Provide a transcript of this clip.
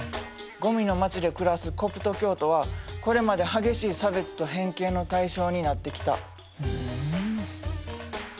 ゴミの町で暮らすコプト教徒はこれまで激しい差別と偏見の対象になってきた。